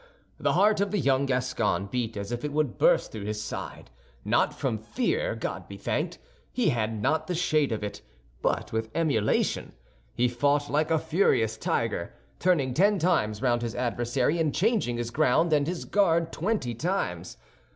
The heart of the young Gascon beat as if it would burst through his side—not from fear, God be thanked, he had not the shade of it, but with emulation; he fought like a furious tiger, turning ten times round his adversary, and changing his ground and his guard twenty times.